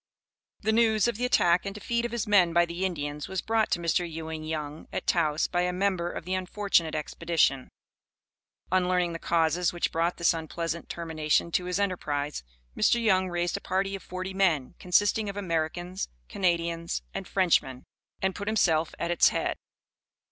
The news of the attack and defeat of his men by the Indians, was brought to Mr. Ewing Young at Taos by a member of the unfortunate expedition. On learning the causes which brought this unpleasant termination to his enterprise, Mr. Young raised a party of forty men, consisting of Americans, Canadians and Frenchmen, and put himself at its head.